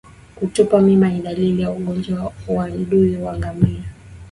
Kutupa mimba ni dalili ya ugonjwa wan dui kwa ngamia